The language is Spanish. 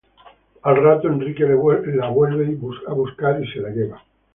Al rato, Enrique la vuelve a buscar y se la lleva.